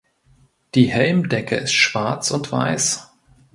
Die Helmdecke in Schwarz und Weiß.